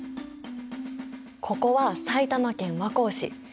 ここは埼玉県和光市。